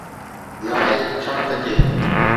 لاءِ ڇا ڪجي